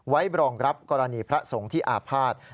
รองรับกรณีพระสงฆ์ที่อาภาษณ์